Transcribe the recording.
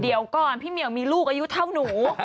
เดี๋ยวก่อนพี่เหมียวมีลูกอายุเท่าหนู